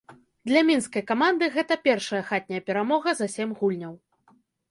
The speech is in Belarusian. Для мінскай каманды гэта першая хатняя перамога за сем гульняў.